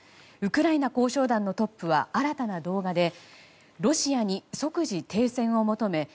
ウクライナ交渉団のトップは新たな動画でロシアに即時停戦を求め